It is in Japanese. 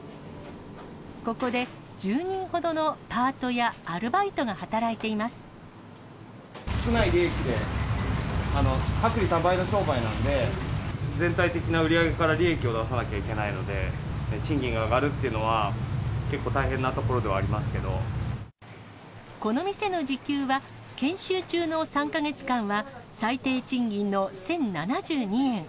ここで１０人ほどのパートやアル少ない利益で、薄利多売の商売なんで、全体的な売り上げから利益を出さなきゃいけないので、賃金が上がるっていうのは、結構、この店の時給は、研修中の３か月間は、最低賃金の１０７２円。